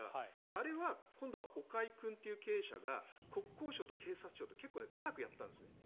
あれは今度オカイ君という経営者が国交省と警察庁と結構うまくやったんです。